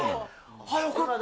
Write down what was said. よかった。